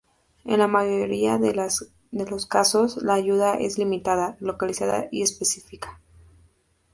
En la mayoría de los casos, la ayuda es limitada, localizada y específica.